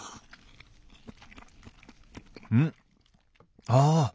うん！ああ！